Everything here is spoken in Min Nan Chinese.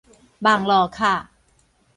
網路卡